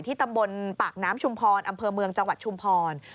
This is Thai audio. ตำบลปากน้ำชุมพรอำเภอเมืองจังหวัดชุมพร